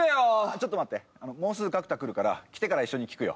ちょっと待ってもうすぐ角田来るから来てから聞くよ。